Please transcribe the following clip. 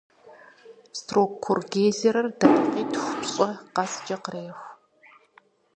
Строккур гейзерыр дакъикъитху-пщӏы къэскӀэ къреху.